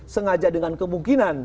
sengaja dengan kemungkinan